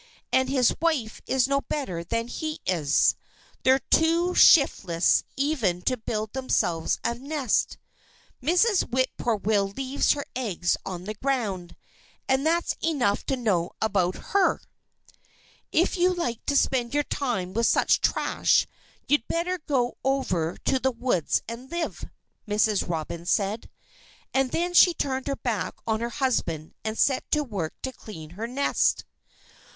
And his wife is no better than he is. They're too shiftless even to build themselves a nest. Mrs. Whip poor will leaves her eggs on the ground. And that's enough to know about her. "If you like to spend your time with such trash you'd better go over to the woods and live," Mrs. Robin said. And then she turned her back on her husband and set to work to clean her nest.